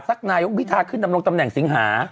นายกวิทาขึ้นดำรงตำแหน่งสิงหา